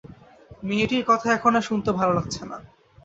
মেয়েটির কথা এখন আর শুনতে ভাল লাগছে না।